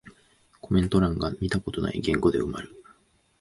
コメント欄が見たことない言語で埋まる